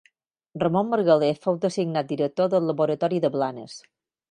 Ramon Margalef fou designat director del laboratori de Blanes.